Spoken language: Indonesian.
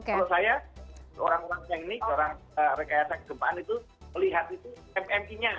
kalau saya orang orang teknik orang rekayasa gempaan itu melihat itu mmi nya